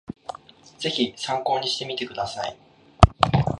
ぜひ参考にしてみてください